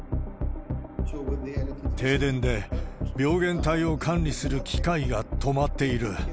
停電で病原体を管理する機械が止まっている。